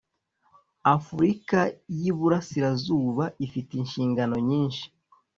Afurika y Iburasirazuba ifite inshingano nyinshi